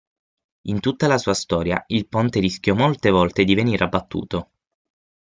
In tutta la sua storia, il ponte rischiò molte volte di venir abbattuto.